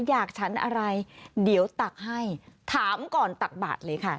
ฉันอะไรเดี๋ยวตักให้ถามก่อนตักบาทเลยค่ะ